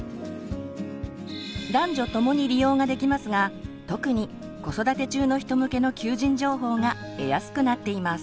男女ともに利用ができますが特に子育て中の人向けの求人情報が得やすくなっています。